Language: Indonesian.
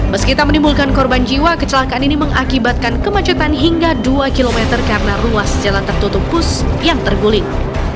meskipun menimbulkan korban jiwa kecelakaan ini mengakibatkan kemacetan hingga dua km karena ruas jalan tertutup bus yang terguling